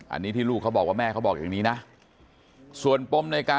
อันนี้ที่ลูกเขาบอกว่าแม่เขาบอกอย่างนี้นะ